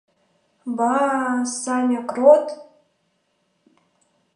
— Ба-а, Саня Крот?!